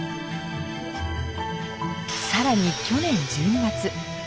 更に去年１２月。